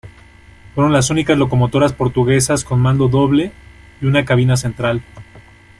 Fueron las únicas locomotoras portuguesas con mando doble, y una cabina central.